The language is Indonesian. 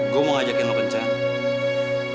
gue mau ngajakin lo ke cang